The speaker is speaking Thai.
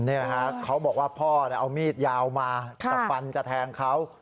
นี่แหละฮะเขาบอกว่าพ่อเอามีดยาวมาจะฟันจะแทงเขา